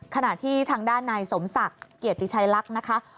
ขณะที่ทางด้านนายสมศักดิ์เกียรติชัยลักษณ์นะคะ